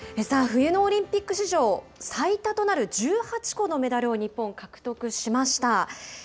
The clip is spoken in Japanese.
さあ、冬のオリンピック史上最多となる１８個のメダルを日本は獲得しました。